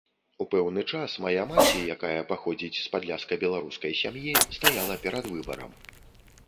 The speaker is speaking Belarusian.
У пэўны час мая маці, якая паходзіць з падляшска-беларускай сям'і, стаяла перад выбарам.